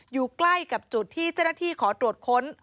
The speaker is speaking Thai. อยู่ใกล้กับจุดที่เจ้าหน้าที่ขอตรวจค้น